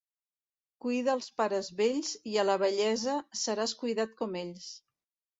Cuida els pares vells i a la vellesa seràs cuidat com ells.